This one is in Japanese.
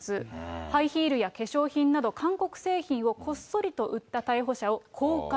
ハイヒールや化粧品など韓国製品をこっそりと売った逮捕者を公開